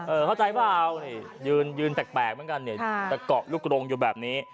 เออเข้าใจปะอ่ะนี่ยืนแปลกแล้วก็เห็นจะเกาะลูกลงอยู่แบบนี้